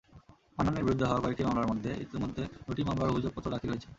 মান্নানের বিরুদ্ধে হওয়া কয়েকটি মামলার মধ্যে ইতিমধ্যে দুটি মামলায় অভিযোগপত্র দাখিল হয়েছে।